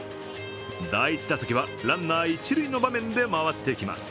第１打席はランナー、一塁の場面で回ってきます。